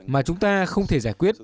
mà chúng ta không thể giải quyết